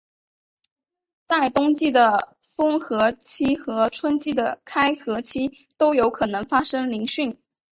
在冬季的封河期和春季的开河期都有可能发生凌汛。